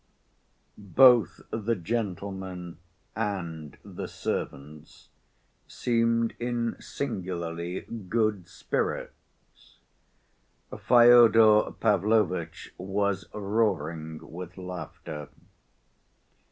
Both the gentlemen and the servants seemed in singularly good spirits. Fyodor Pavlovitch was roaring with laughter.